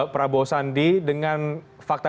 para bowo sandi dengan fakta